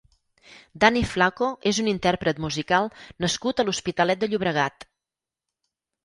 Dani Flaco és un intérpret musical nascut a l'Hospitalet de Llobregat.